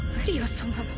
そんなの。